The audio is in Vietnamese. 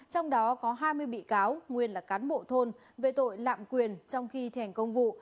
trong đó có hai mươi bị cáo nguyên là cán bộ thôn về tội lạm quyền trong khi thành công vụ